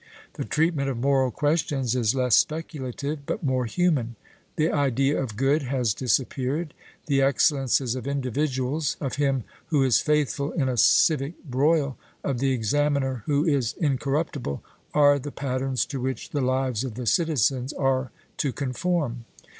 The treatment of moral questions is less speculative but more human. The idea of good has disappeared; the excellences of individuals of him who is faithful in a civil broil, of the examiner who is incorruptible, are the patterns to which the lives of the citizens are to conform.